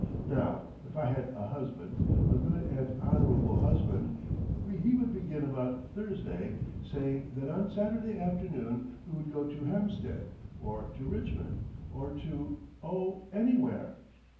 Now if I had a husband, a good and honourable husband, he would begin about Thursday saying that on Saturday afternoon we would go to Hampstead, or to Richmond, or to oh! anywhere.